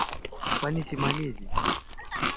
Ngombe kutokwa mate na kukohoa